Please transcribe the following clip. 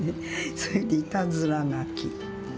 それでいたずら書き。